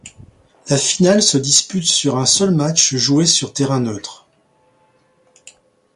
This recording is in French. La finale se dispute sur un seul match joué sur terrain neutre.